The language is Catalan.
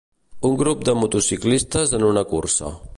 Un grup de motociclistes en una cursa.